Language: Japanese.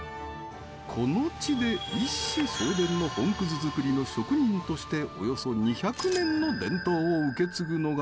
この地で、一子相伝の本葛づくりの職人としておよそ２００年の伝統を受け継ぐのが。